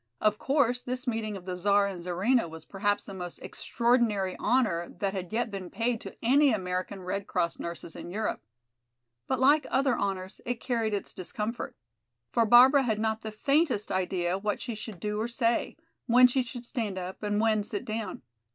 Of course, this meeting of the Czar and Czarina was perhaps the most extraordinary honor that had yet been paid to any American Red Cross nurses in Europe. But like other honors, it carried its discomfort. For Barbara had not the faintest idea what she should do or say, when she should stand up and when sit down.